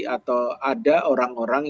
atau ada orang orang